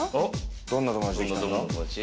どんな友達で来たんだ？